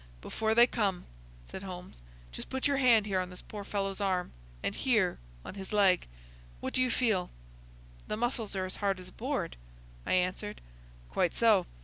"Before they come," said Holmes, "just put your hand here on this poor fellow's arm, and here on his leg. What do you feel?" "The muscles are as hard as a board," I answered. "Quite so.